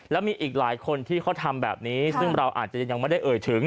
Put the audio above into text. แล้วมีอีกหลายคนที่เขาทำแบบนี้ซึ่งเราอาจจะยังไม่ได้เอ่ยถึง